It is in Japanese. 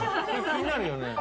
気になるよね。